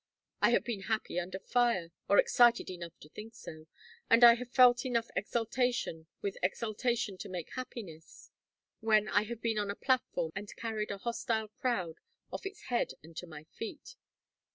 I have been happy under fire, or excited enough to think so. And I have felt enough exultation with exaltation to make happiness when I have been on a platform and carried a hostile crowd off its head and to my feet.